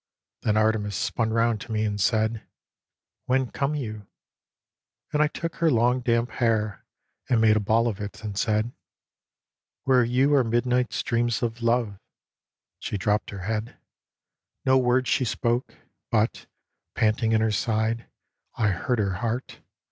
Then Artemis spun round to me and said, " When come you ?" and I took her long damp hair And made a ball of it, and said, " Where you Are midnight's dreams of love." She dropped her head, No word she spoke, but, panting in her side, I heard her heart.